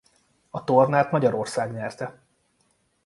A tornát Magyarország nyerte.